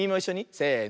せの。